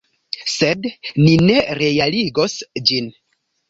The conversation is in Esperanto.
Sed ni ne realigos ĝin.